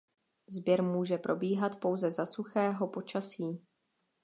Sběr může probíhat pouze za suchého počasí.